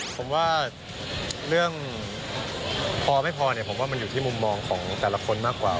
ผมว่าเรื่องพอไม่พอเนี่ยผมว่ามันอยู่ที่มุมมองของแต่ละคนมากกว่า